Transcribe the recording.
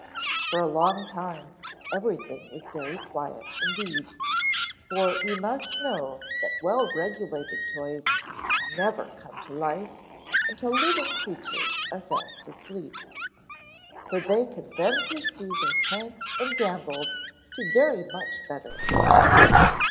For a long time everything was very quiet indeed; for you must know that well regulated toys never come to life until living creatures are fast asleep. For they can then pursue their pranks and gambols to very much better advantage.